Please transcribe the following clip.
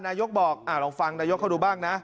นายกบอกลองฟังนายกเขาดูบ้างนะ